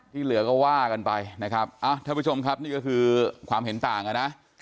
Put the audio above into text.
เหลือก็ว่ากันไปนะครับท่านผู้ชมครับนี่ก็คือความเห็นต่างนะ